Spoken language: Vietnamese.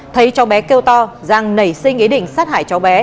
thấy cháu bé kêu to giang nảy sinh ý định sát hại cháu bé